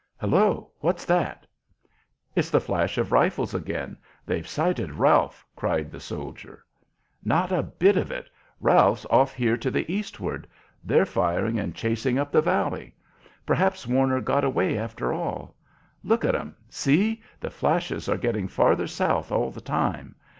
"Hullo! What's that?" "It's the flash of rifles again. They've sighted Ralph!" cried the soldier. "Not a bit of it. Ralph's off here to the eastward. They're firing and chasing up the valley. Perhaps Warner got away after all. Look at 'em! See! The flashes are getting farther south all the time!